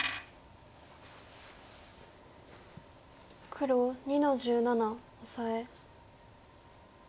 黒２の十七オサエ。